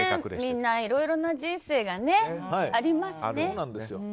みんないろんな人生がありますね。